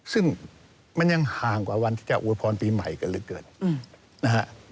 ซึ่งมันยังห่างกว่าวันที่จะอวยพรปีใหม่กันเหลือเกินนะฮะ